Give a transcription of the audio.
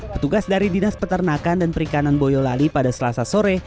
petugas dari dinas peternakan dan perikanan boyolali pada selasa sore